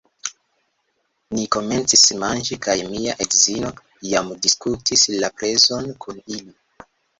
Ni komencis manĝi kaj mia edzino jam diskutis la prezon kun ili